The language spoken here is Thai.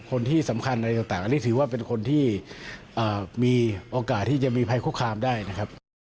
คนที่สำคัญอะไรต่างอันนี้ถือว่าเป็นคนที่มีโอกาสที่จะมีภัยคุกคามได้นะครับ